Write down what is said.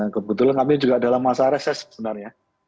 kebetulan kami juga dalam masa reses sebenarnya